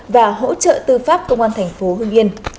và hỗ trợ tư pháp công an thành phố hưng yên